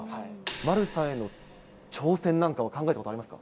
丸さんへの挑戦なんかは考えたことありますか。